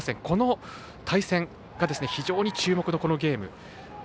この対戦が非常に注目のこのゲーム。